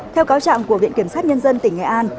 theo cáo trạng của viện kiểm sát nhân dân tỉnh nghệ an